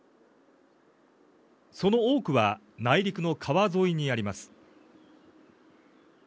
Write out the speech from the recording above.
その多くは内陸の川沿いにあります。